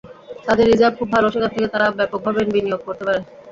তাদের রিজার্ভ খুব ভালো, সেখান থেকে তারা ব্যাপকভাবে বিনিয়োগ করতে পারে।